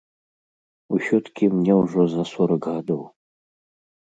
Усё-ткі мне ўжо за сорак гадоў.